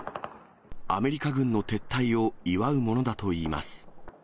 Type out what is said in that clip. アメリカ軍の撤退を祝うものだといいます。